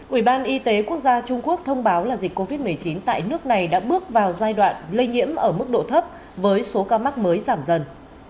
ủy ban y tế quốc gia trung quốc thông báo là dịch covid một mươi chín tại nước này đã bước vào giai đoạn lây nhiễm ở mức độ thấp với số ca mắc mới giảm dần